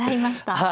はい。